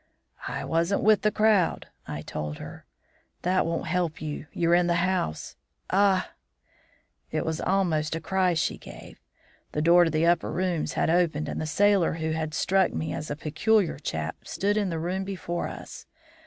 "'I wasn't with the crowd,' I told her. "'That won't help you. You're in the house Ah!' "It was almost a cry she gave; the door to the upper rooms had opened and the sailor who had struck me as such a peculiar chap stood in the room before us.